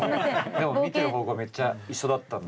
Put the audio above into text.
でも見てる方向はめっちゃ一緒だったんで。